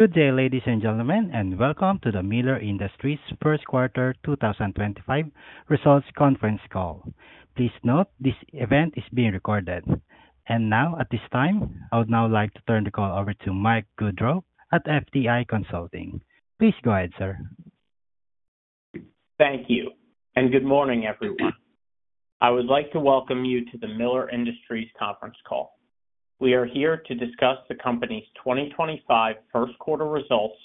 Good day, ladies and gentlemen, and welcome to the Miller Industries first quarter 2025 results conference call. Please note this event is being recorded. At this time, I would now like to turn the call over to Mike Gaudreau at FTI Consulting. Please go ahead, sir. Thank you, and good morning, everyone. I would like to welcome you to the Miller Industries conference call. We are here to discuss the company's 2025 first quarter results,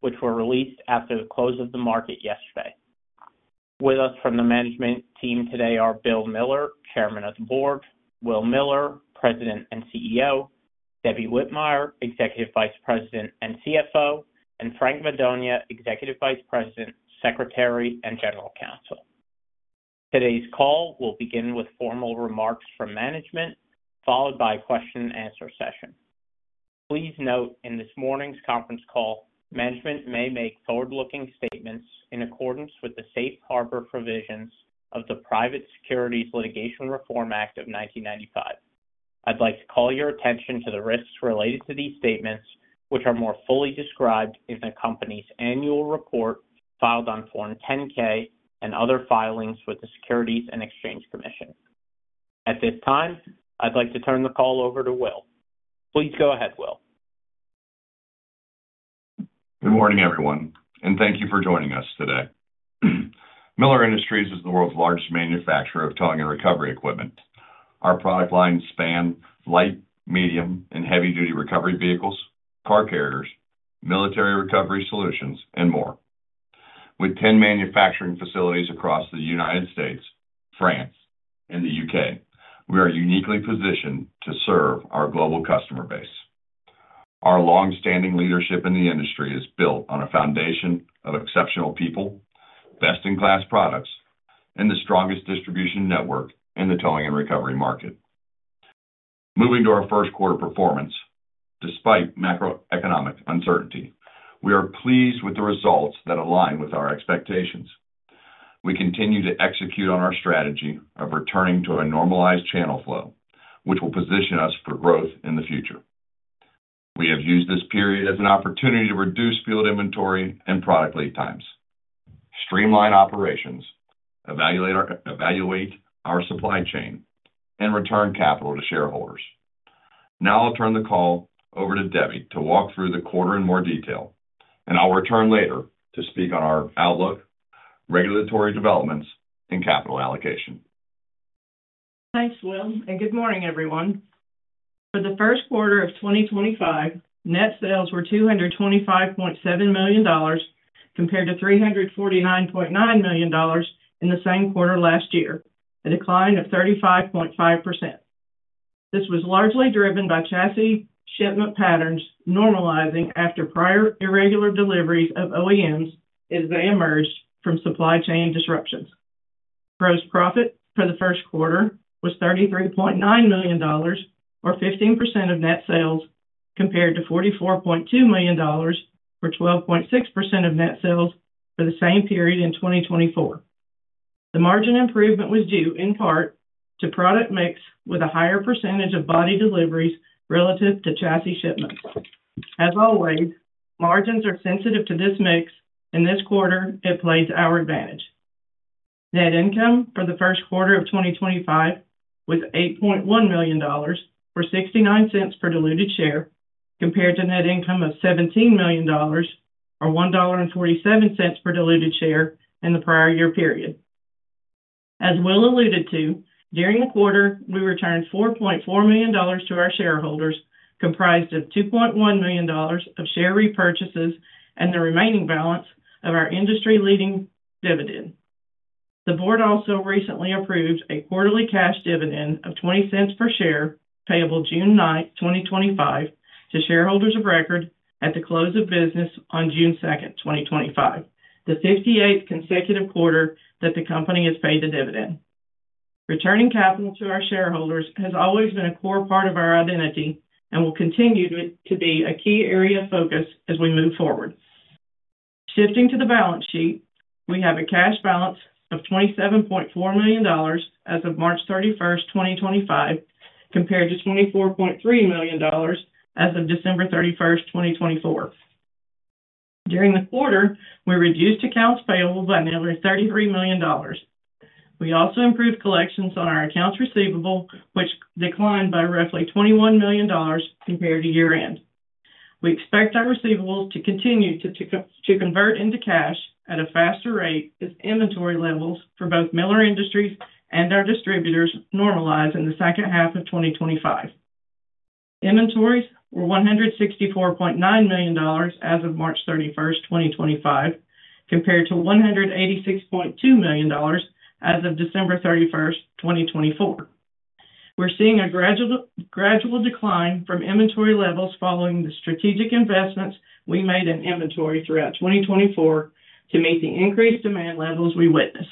which were released after the close of the market yesterday. With us from the management team today are Bill Miller, Chairman of the Board; Will Miller, President and CEO; Debbie Whitmire, Executive Vice President and CFO; and Frank Madonia, Executive Vice President, Secretary, and General Counsel. Today's call will begin with formal remarks from management, followed by a question-and-answer session. Please note in this morning's conference call, management may make forward-looking statements in accordance with the safe harbor provisions of the Private Securities Litigation Reform Act of 1995. I'd like to call your attention to the risks related to these statements, which are more fully described in the company's annual report filed on Form 10-K and other filings with the Securities and Exchange Commission. At this time, I'd like to turn the call over to Will. Please go ahead, Will. Good morning, everyone, and thank you for joining us today. Miller Industries is the world's largest manufacturer of towing and recovery equipment. Our product lines span light, medium, and heavy-duty recovery vehicles, car carriers, military recovery solutions, and more. With 10 manufacturing facilities across the United States, France, and the U.K., we are uniquely positioned to serve our global customer base. Our long-standing leadership in the industry is built on a foundation of exceptional people, best-in-class products, and the strongest distribution network in the towing and recovery market. Moving to our first quarter performance, despite macroeconomic uncertainty, we are pleased with the results that align with our expectations. We continue to execute on our strategy of returning to a normalized channel flow, which will position us for growth in the future. We have used this period as an opportunity to reduce field inventory and product lead times, streamline operations, evaluate our supply chain, and return capital to shareholders. Now I'll turn the call over to Debbie to walk through the quarter in more detail, and I'll return later to speak on our outlook, regulatory developments, and capital allocation. Thanks, Will, and good morning, everyone. For the first quarter of 2025, net sales were $225.7 million compared to $349.9 million in the same quarter last year, a decline of 35.5%. This was largely driven by chassis shipment patterns normalizing after prior irregular deliveries of OEMs as they emerged from supply chain disruptions. Gross profit for the first quarter was $33.9 million, or 15% of net sales, compared to $44.2 million or 12.6% of net sales for the same period in 2024. The margin improvement was due, in part, to product mix with a higher percentage of body deliveries relative to chassis shipments. As always, margins are sensitive to this mix, and this quarter, it plays our advantage. Net income for the first quarter of 2025 was $8.1 million or $0.69 per diluted share, compared to net income of $17 million or $1.47 per diluted share in the prior year period. As Will alluded to, during the quarter, we returned $4.4 million to our shareholders, comprised of $2.1 million of share repurchases and the remaining balance of our industry-leading dividend. The board also recently approved a quarterly cash dividend of $0.20 per share payable June 9th, 2025, to shareholders of record at the close of business on June 2nd, 2025, the 58th consecutive quarter that the company has paid the dividend. Returning capital to our shareholders has always been a core part of our identity and will continue to be a key area of focus as we move forward. Shifting to the balance sheet, we have a cash balance of $27.4 million as of March 31st, 2025, compared to $24.3 million as of December 31st, 2024. During the quarter, we reduced accounts payable by nearly $33 million. We also improved collections on our accounts receivable, which declined by roughly $21 million compared to year-end. We expect our receivables to continue to convert into cash at a faster rate as inventory levels for both Miller Industries and our distributors normalize in the second half of 2025. Inventories were $164.9 million as of March 31st, 2025, compared to $186.2 million as of December 31st, 2024. We're seeing a gradual decline from inventory levels following the strategic investments we made in inventory throughout 2024 to meet the increased demand levels we witnessed.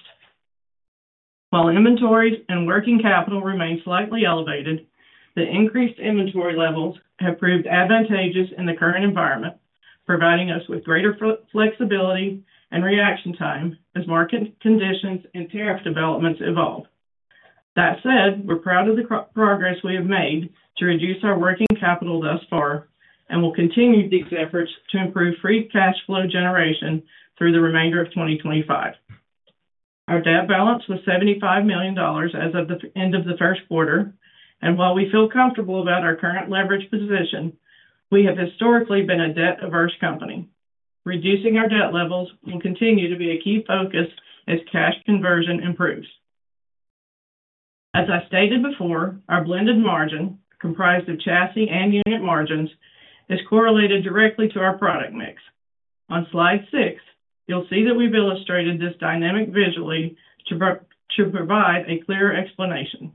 While inventories and working capital remain slightly elevated, the increased inventory levels have proved advantageous in the current environment, providing us with greater flexibility and reaction time as market conditions and tariff developments evolve. That said, we're proud of the progress we have made to reduce our working capital thus far and will continue these efforts to improve free cash flow generation through the remainder of 2025. Our debt balance was $75 million as of the end of the first quarter, and while we feel comfortable about our current leverage position, we have historically been a debt-averse company. Reducing our debt levels will continue to be a key focus as cash conversion improves. As I stated before, our blended margin, comprised of chassis and unit margins, is correlated directly to our product mix. On slide 6, you'll see that we've illustrated this dynamic visually to provide a clearer explanation.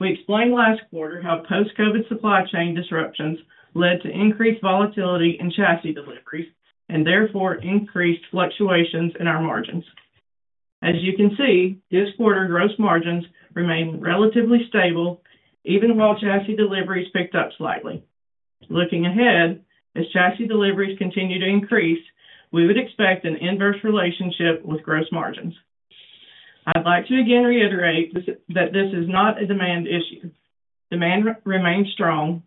We explained last quarter how post-COVID supply chain disruptions led to increased volatility in chassis deliveries and therefore increased fluctuations in our margins. As you can see, this quarter gross margins remained relatively stable, even while chassis deliveries picked up slightly. Looking ahead, as chassis deliveries continue to increase, we would expect an inverse relationship with gross margins. I'd like to again reiterate that this is not a demand issue. Demand remains strong.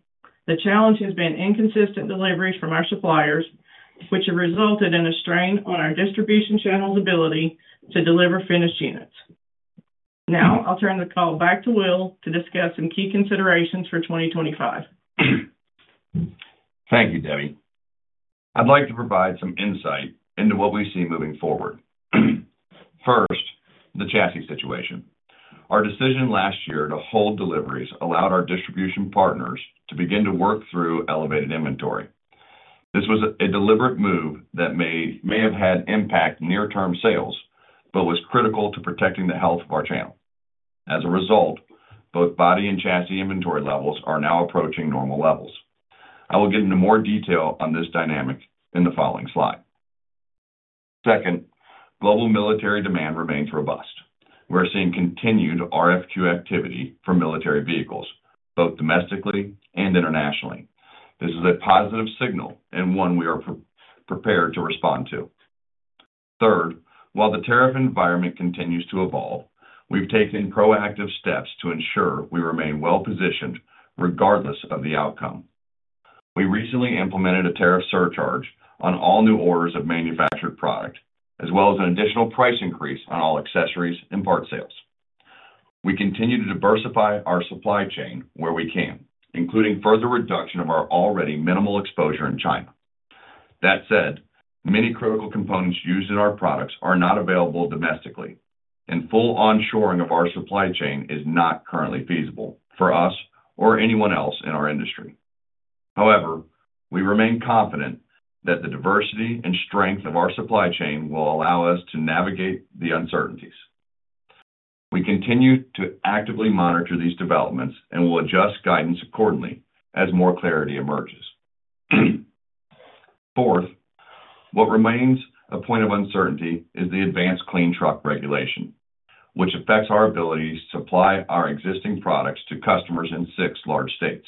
The challenge has been inconsistent deliveries from our suppliers, which have resulted in a strain on our distribution channel's ability to deliver finished units. Now I'll turn the call back to Will to discuss some key considerations for 2025. Thank you, Debbie. I'd like to provide some insight into what we see moving forward. First, the chassis situation. Our decision last year to hold deliveries allowed our distribution partners to begin to work through elevated inventory. This was a deliberate move that may have had impact near-term sales, but was critical to protecting the health of our channel. As a result, both body and chassis inventory levels are now approaching normal levels. I will get into more detail on this dynamic in the following slide. Second, global military demand remains robust. We're seeing continued RFQ activity for military vehicles, both domestically and internationally. This is a positive signal and one we are prepared to respond to. Third, while the tariff environment continues to evolve, we've taken proactive steps to ensure we remain well-positioned regardless of the outcome. We recently implemented a tariff surcharge on all new orders of manufactured product, as well as an additional price increase on all accessories and part sales. We continue to diversify our supply chain where we can, including further reduction of our already minimal exposure in China. That said, many critical components used in our products are not available domestically, and full onshoring of our supply chain is not currently feasible for us or anyone else in our industry. However, we remain confident that the diversity and strength of our supply chain will allow us to navigate the uncertainties. We continue to actively monitor these developments and will adjust guidance accordingly as more clarity emerges. Fourth, what remains a point of uncertainty is the Advanced Clean Trucks regulation, which affects our ability to supply our existing products to customers in six large states.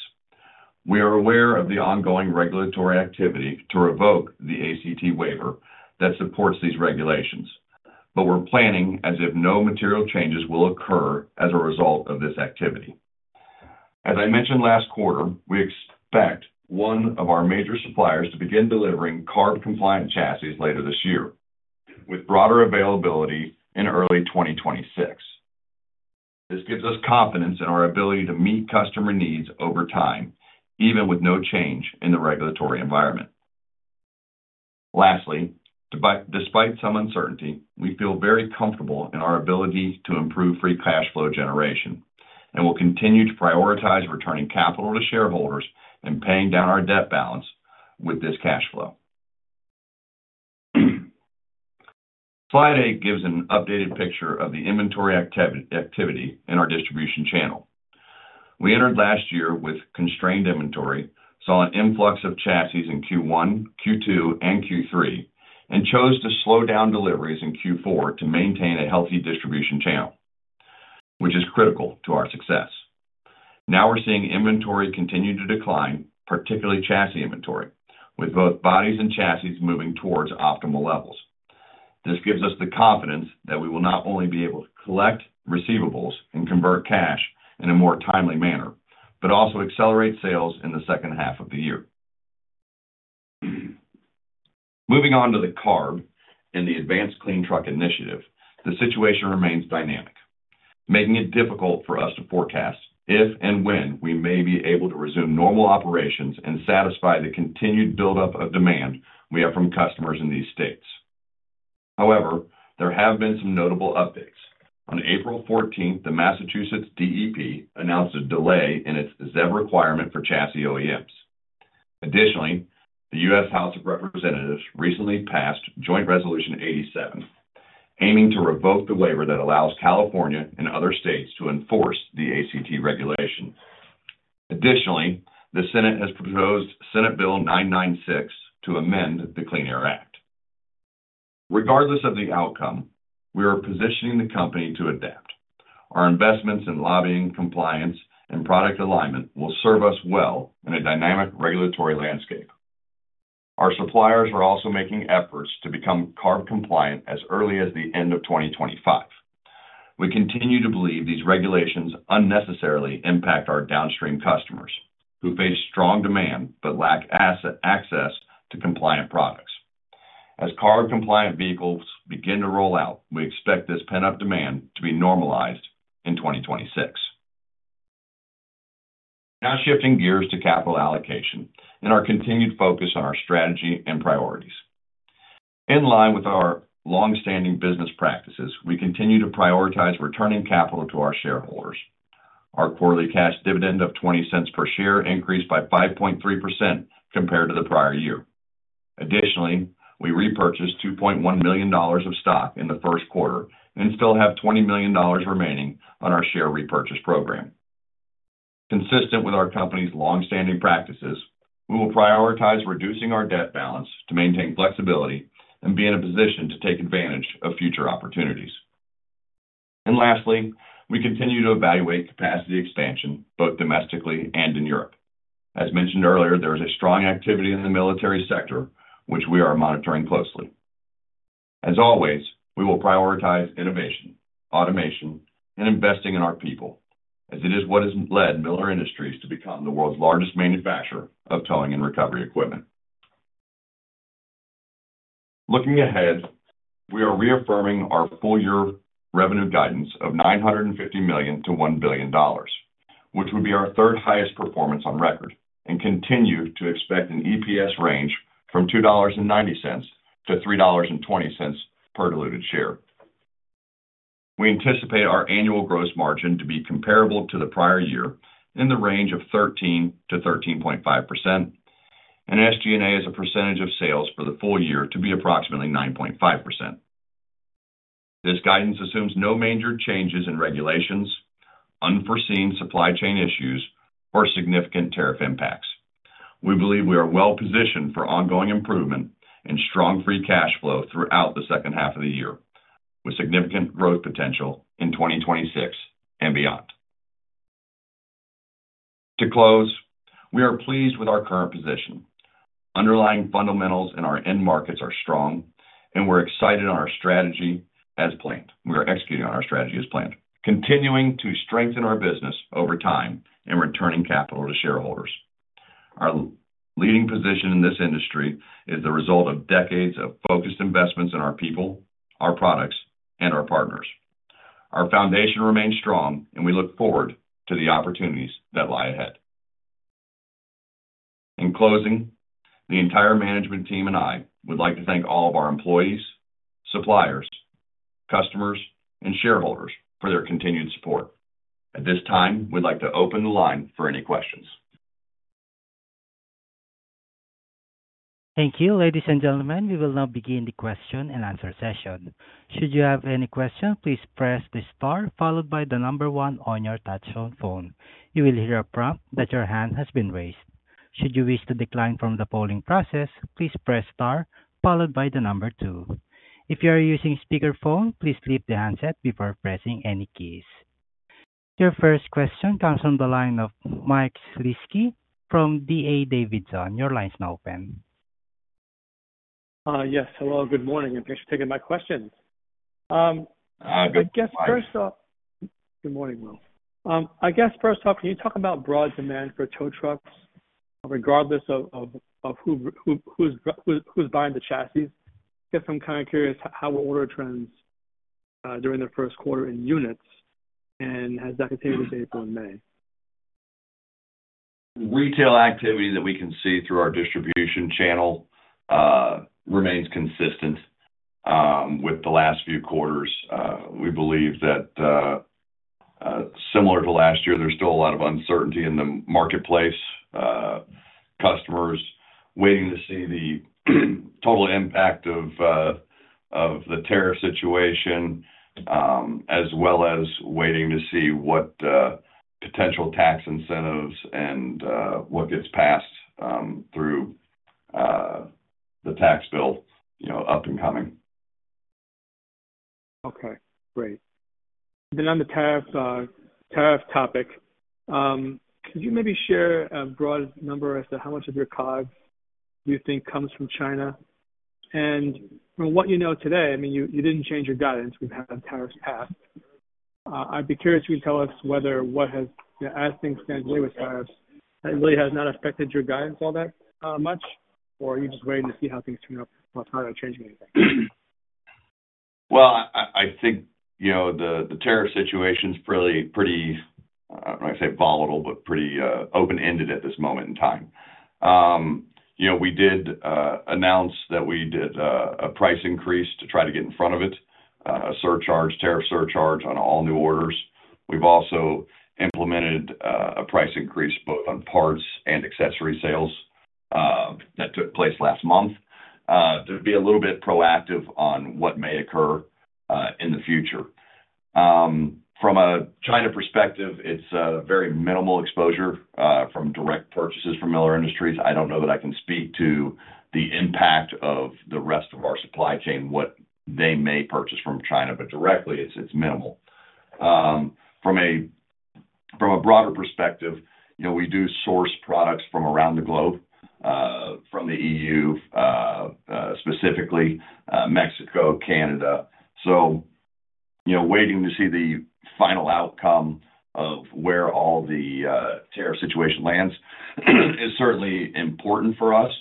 We are aware of the ongoing regulatory activity to revoke the ACT waiver that supports these regulations, but we're planning as if no material changes will occur as a result of this activity. As I mentioned last quarter, we expect one of our major suppliers to begin delivering CARB-compliant chassis later this year, with broader availability in early 2026. This gives us confidence in our ability to meet customer needs over time, even with no change in the regulatory environment. Lastly, despite some uncertainty, we feel very comfortable in our ability to improve free cash flow generation and will continue to prioritize returning capital to shareholders and paying down our debt balance with this cash flow. Slide 8 gives an updated picture of the inventory activity in our distribution channel. We entered last year with constrained inventory, saw an influx of chassis in Q1, Q2, and Q3, and chose to slow down deliveries in Q4 to maintain a healthy distribution channel, which is critical to our success. Now we're seeing inventory continue to decline, particularly chassis inventory, with both bodies and chassis moving towards optimal levels. This gives us the confidence that we will not only be able to collect receivables and convert cash in a more timely manner, but also accelerate sales in the second half of the year. Moving on to the CARB and the Advanced Clean Trucks Initiative, the situation remains dynamic, making it difficult for us to forecast if and when we may be able to resume normal operations and satisfy the continued buildup of demand we have from customers in these states. However, there have been some notable updates. On April 14th, the Massachusetts DEP announced a delay in its ZEV requirement for chassis OEMs. Additionally, the U.S. House of Representatives recently passed Joint Resolution 87, aiming to revoke the waiver that allows California and other states to enforce the ACT regulation. Additionally, the Senate has proposed Senate Bill 996 to amend the Clean Air Act. Regardless of the outcome, we are positioning the company to adapt. Our investments in lobbying, compliance, and product alignment will serve us well in a dynamic regulatory landscape. Our suppliers are also making efforts to become CARB-compliant as early as the end of 2025. We continue to believe these regulations unnecessarily impact our downstream customers, who face strong demand but lack access to compliant products. As CARB-compliant vehicles begin to roll out, we expect this pent-up demand to be normalized in 2026. Now shifting gears to capital allocation and our continued focus on our strategy and priorities. In line with our long-standing business practices, we continue to prioritize returning capital to our shareholders. Our quarterly cash dividend of $0.20 per share increased by 5.3% compared to the prior year. Additionally, we repurchased $2.1 million of stock in the first quarter and still have $20 million remaining on our share repurchase program. Consistent with our company's long-standing practices, we will prioritize reducing our debt balance to maintain flexibility and be in a position to take advantage of future opportunities. Lastly, we continue to evaluate capacity expansion, both domestically and in Europe. As mentioned earlier, there is a strong activity in the military sector, which we are monitoring closely. As always, we will prioritize innovation, automation, and investing in our people, as it is what has led Miller Industries to become the world's largest manufacturer of towing and recovery equipment. Looking ahead, we are reaffirming our full-year revenue guidance of $950 million-$1 billion, which would be our third highest performance on record, and continue to expect an EPS range from $2.90-$3.20 per diluted share. We anticipate our annual gross margin to be comparable to the prior year in the range of 13%-13.5%, and SG&A as a percentage of sales for the full year to be approximately 9.5%. This guidance assumes no major changes in regulations, unforeseen supply chain issues, or significant tariff impacts. We believe we are well-positioned for ongoing improvement and strong free cash flow throughout the second half of the year, with significant growth potential in 2026 and beyond. To close, we are pleased with our current position. Underlying fundamentals in our end markets are strong, and we're excited on our strategy as planned. We are executing on our strategy as planned, continuing to strengthen our business over time and returning capital to shareholders. Our leading position in this industry is the result of decades of focused investments in our people, our products, and our partners. Our foundation remains strong, and we look forward to the opportunities that lie ahead. In closing, the entire management team and I would like to thank all of our employees, suppliers, customers, and shareholders for their continued support. At this time, we'd like to open the line for any questions. Thank you. Ladies and gentlemen, we will now begin the question and answer session. Should you have any questions, please press the star followed by the number one on your touch phone. You will hear a prompt that your hand has been raised. Should you wish to decline from the polling process, please press star followed by the number two. If you are using speakerphone, please flip the handset before pressing any keys. Your first question comes from the line of Mike Shlisky from D.A. Davidson. Your line is now open. Yes. Hello. Good morning. Thanks for taking my questions. I guess first off. Hi. Good morning, Will. I guess first off, can you talk about broad demand for tow trucks regardless of who's buying the chassis? I guess I'm kind of curious how order trends during the first quarter in units and has that continued in April and May? Retail activity that we can see through our distribution channel remains consistent with the last few quarters. We believe that similar to last year, there's still a lot of uncertainty in the marketplace. Customers are waiting to see the total impact of the tariff situation, as well as waiting to see what potential tax incentives and what gets passed through the tax bill up and coming. Okay. Great. On the tariff topic, could you maybe share a broad number as to how much of your CARB you think comes from China? From what you know today, I mean, you did not change your guidance when tariffs passed. I would be curious if you can tell us whether, as things stand today with tariffs, it really has not affected your guidance all that much, or are you just waiting to see how things turn out without changing anything? I think the tariff situation's pretty, I don't want to say volatile, but pretty open-ended at this moment in time. We did announce that we did a price increase to try to get in front of it, a surcharge, tariff surcharge on all new orders. We've also implemented a price increase both on parts and accessory sales that took place last month to be a little bit proactive on what may occur in the future. From a China perspective, it's a very minimal exposure from direct purchases from Miller Industries. I don't know that I can speak to the impact of the rest of our supply chain, what they may purchase from China, but directly, it's minimal. From a broader perspective, we do source products from around the globe, from the EU, specifically Mexico, Canada. Waiting to see the final outcome of where all the tariff situation lands is certainly important for us,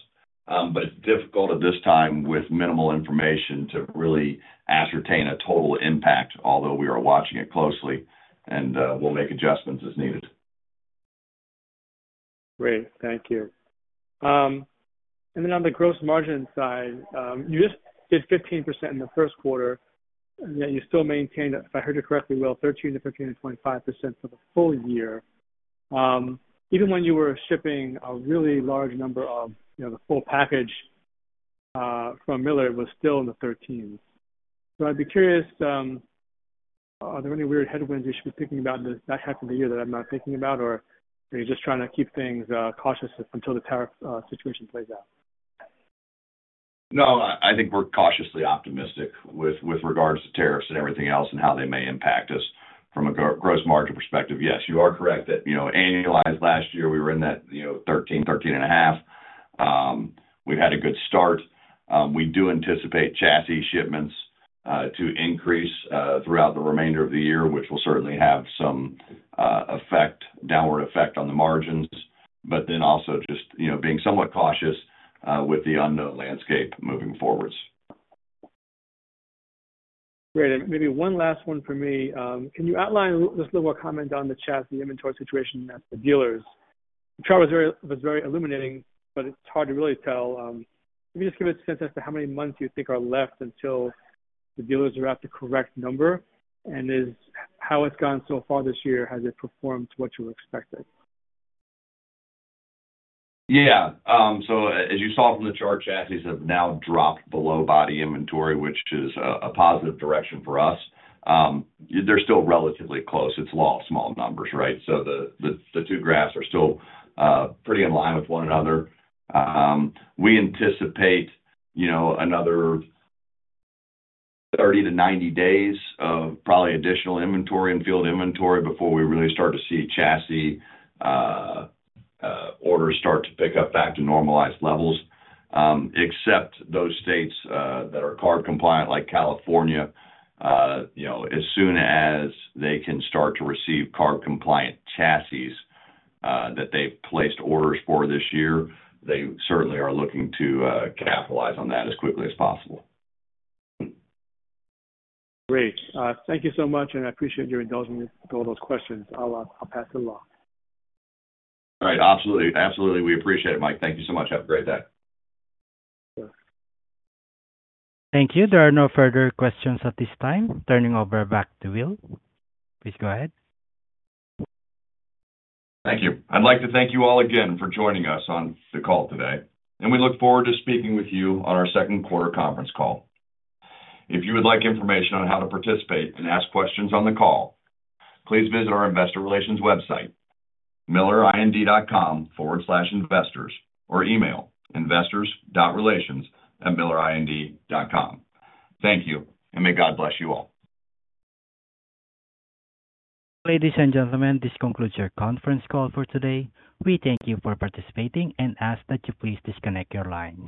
but it's difficult at this time with minimal information to really ascertain a total impact, although we are watching it closely, and we'll make adjustments as needed. Great. Thank you. Then on the gross margin side, you just did 15% in the first quarter, and you still maintained, if I heard you correctly, Will, 13%-25% for the full year. Even when you were shipping a really large number of the full package from Miller, it was still in the 13%s. I'd be curious, are there any weird headwinds I should be thinking about that happened to you that I'm not thinking about, or are you just trying to keep things cautious until the tariff situation plays out? No, I think we're cautiously optimistic with regards to tariffs and everything else and how they may impact us from a gross margin perspective. Yes, you are correct that annualized last year, we were in that 13%-13.5%. We've had a good start. We do anticipate chassis shipments to increase throughout the remainder of the year, which will certainly have some downward effect on the margins, but then also just being somewhat cautious with the unknown landscape moving forwards. Great. Maybe one last one for me. Can you outline just a little more comment on the chassis inventory situation at the dealers? The chart was very illuminating, but it's hard to really tell. Can you just give a sense as to how many months you think are left until the dealers are at the correct number? How it's gone so far this year, has it performed to what you expected? Yeah. As you saw from the chart, chassis have now dropped below body inventory, which is a positive direction for us. They're still relatively close. It's all small numbers, right? The two graphs are still pretty in line with one another. We anticipate another 30-90 days of probably additional inventory and field inventory before we really start to see chassis orders start to pick up back to normalized levels, except those states that are CARB-compliant, like California. As soon as they can start to receive CARB-compliant chassis that they've placed orders for this year, they certainly are looking to capitalize on that as quickly as possible. Great. Thank you so much, and I appreciate your indulging me with all those questions. I'll pass the call. All right. Absolutely. Absolutely. We appreciate it, Mike. Thank you so much. Have a great day. Thank you. Thank you. There are no further questions at this time. Turning over back to Will. Please go ahead. Thank you. I'd like to thank you all again for joining us on the call today, and we look forward to speaking with you on our second quarter conference call. If you would like information on how to participate and ask questions on the call, please visit our investor relations website, millerind.com forward slash investors, or email investors.relations@millerind.com. Thank you, and may God bless you all. Ladies and gentlemen, this concludes your conference call for today. We thank you for participating and ask that you please disconnect your lines.